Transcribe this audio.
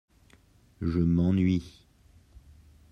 Je m’ennuie.